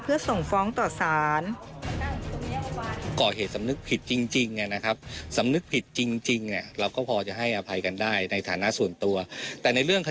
เพื่อส่งฟ้องต่อสาร